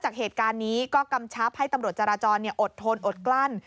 จากเหตุการณ์นี้ก็กำชับให้ตำรวจจราจรอดทนอดกลั้น